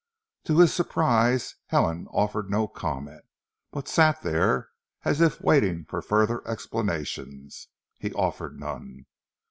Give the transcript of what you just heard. To his surprise Helen offered no comment, but sat there as if waiting for further explanations. He offered none.